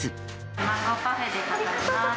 マンゴーパフェでございます。